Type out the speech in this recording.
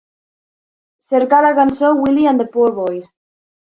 Cerca la cançó Willy and the Poor Boys.